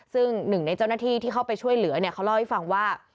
ซึ่งหนึ่งในเจ้าหน้าที่ที่เข้าไปช่วยเหลือเนี่ยเขาเล่าให้ฟังว่า